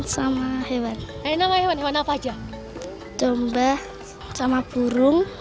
sama hewan hewan hewan apa aja domba sama burung